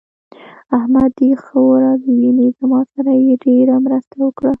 احمد دې ښه ورځ وويني؛ زما سره يې ډېره مرسته وکړه.